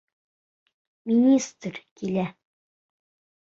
Министр килә!